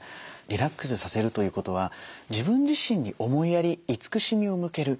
リラックスさせるということは自分自身に思いやり慈しみを向ける。